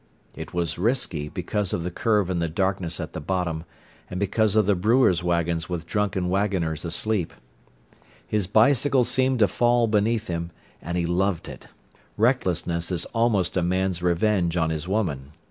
It was risky, because of the curve in the darkness at the bottom, and because of the brewers' waggons with drunken waggoners asleep. His bicycle seemed to fall beneath him, and he loved it. Recklessness is almost a man's revenge on his woman.